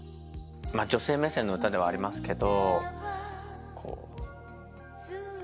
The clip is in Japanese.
女性目線の歌ではありますけど。